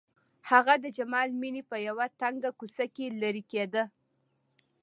هغه د جمال مېنې په يوه تنګه کوڅه کې لېرې کېده.